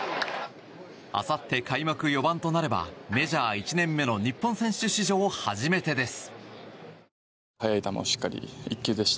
あさって開幕４番となればメジャー１年目の日本選手史上初めてです。